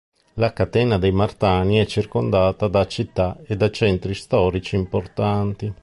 La catena dei Martani è circondata da città e da centri storici importanti.